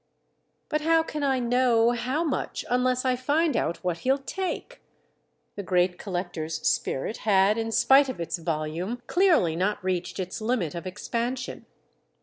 "But how can I know how much unless I find out what he'll take?" The great collector's spirit had, in spite of its volume, clearly not reached its limit of expansion.